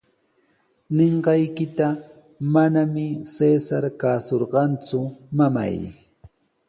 Ninqaykita manami Cesar kaasurqanku, mamay.